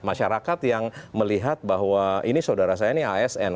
masyarakat yang melihat bahwa ini saudara saya ini asn